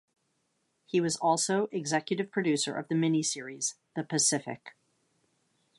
He also was executive producer of the miniseries, "The Pacific".